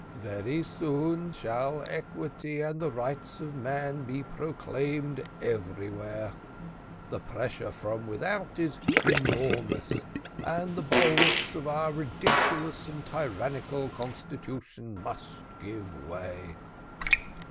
Very soon shall equality and the rights of man be proclaimed everywhere. The pressure from without is enormous, and the bulwarks of our ridiculous and tyrannical constitution must give way.